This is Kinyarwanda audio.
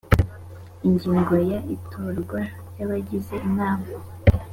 ingingo ya itorwa ry abagize inama